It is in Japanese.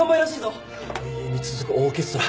永遠に続くオーケストラ。